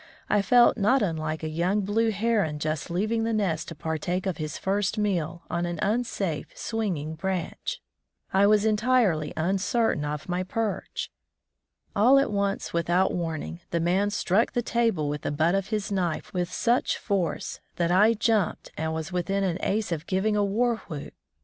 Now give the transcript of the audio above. I felt not wilike a young blue heron just leaving the nest to partake of his first meal on an unsafe, swinging branch. I was entirely uncertain of my perch. AU at once, without warning, the man struck the table with the butt of his knife with such force that I jumped and was within an ace of giving a war whoop.